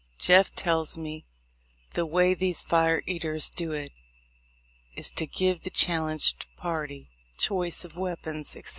Jeff tells me the way these fire eaters do is to give the challenged party choice of weapons, etc.